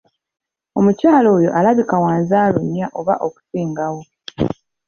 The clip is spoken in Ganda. Omukyala oyo alabika wa nzaalo nnya oba okusingawo.